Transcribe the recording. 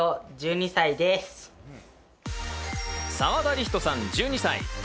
澤田龍人さん、１２歳。